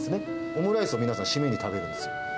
オムライスを皆さん、締めに食べるんですよ。